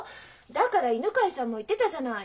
だから犬飼さんも言ってたじゃない。